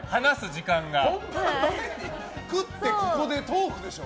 食って、ここでトークでしょ。